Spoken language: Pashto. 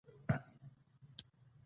هیواد مې د نیکو خلکو کور دی